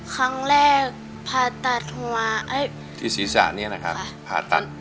ครั้งแรกผ่าตัดมาที่ศีรษะเนี่ยนะคะ